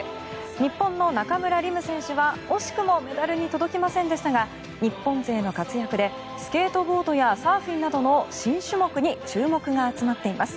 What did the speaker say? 日本の中村輪夢選手は惜しくもメダルに届きませんでしたが日本勢の活躍でスケートボードやサーフィンなどの新種目に注目が集まっています。